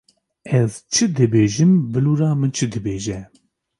Ez çi dibêjim bilûra min çi dibêje.